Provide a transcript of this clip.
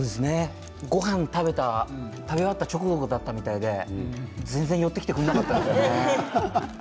ごはんを食べ終わった直後だったみたいで全然寄ってきてくれなかったですね。